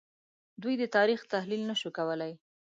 دوی د تاریخ تحلیل نه شو کولای